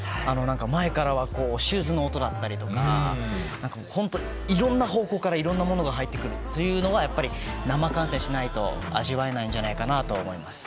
前からはシューズの音だったりとか本当、いろいろな方向からいろいろなものが入ってくるというのはやっぱり生観戦しないと味わえないんじゃないかなと思います。